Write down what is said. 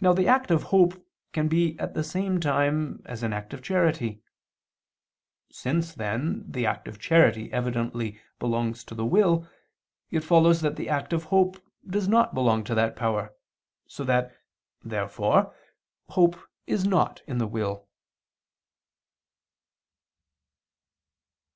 Now the act of hope can be at the same time as an act of charity. Since, then, the act of charity evidently belongs to the will, it follows that the act of hope does not belong to that power: so that, therefore, hope is not in the will.